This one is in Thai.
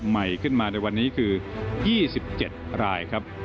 ใหม่ขึ้นมาในวันนี้คือ๒๗รายครับ